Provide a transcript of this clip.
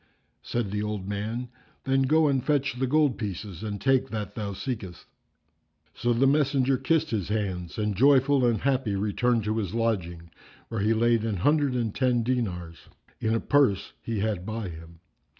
Said the old man, "Then go and fetch the gold pieces, and take that thou seekest." So the messenger kissed his hands and joyful and happy returned to his lodging, where he laid an hundred and ten dinars[FN#351] in a purse he had by him.